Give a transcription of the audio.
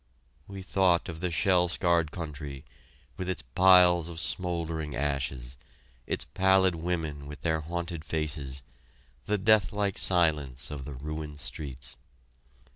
We thought of the shell scarred country, with its piles of smouldering ashes, its pallid women with their haunted faces, the deathlike silence of the ruined streets.